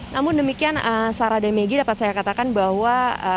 namun demikian sarah demegi dapat saya katakan bahwa